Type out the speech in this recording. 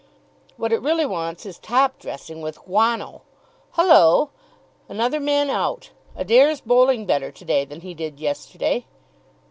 "What it really wants is top dressing with guano. Hullo! another man out. Adair's bowling better to day than he did yesterday."